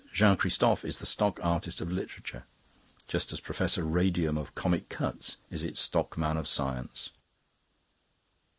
Jean Christophe is the stock artist of literature, just as Professor Radium of 'Comic Cuts' is its stock man of science."